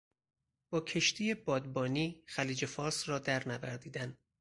با کشتی بادبانی خلیج فارس را نوردیدن